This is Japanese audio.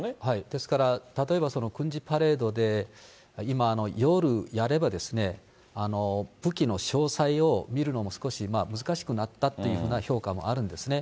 ですから、例えば軍事パレードで今、夜やれば、武器の詳細を見るのも少し難しくなったっていうような評価もあるんですね。